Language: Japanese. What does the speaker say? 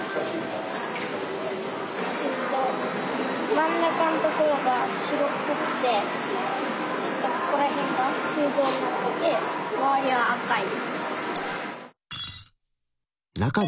真ん中のところが白っぽくてちょっとここら辺が空洞になってて周りは赤い。